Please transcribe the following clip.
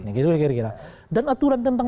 gitu kira kira dan aturan tentang